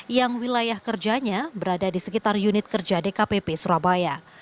yang wilayah kerjanya berada di sekitar unit kerja dkpp surabaya